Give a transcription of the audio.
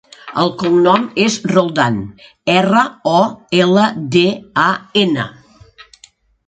El cognom és Roldan: erra, o, ela, de, a, ena.